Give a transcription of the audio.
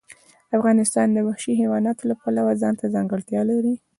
افغانستان د وحشي حیوانات د پلوه ځانته ځانګړتیا لري.